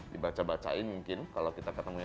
dibaca bacain mungkin kalau kita ketemunya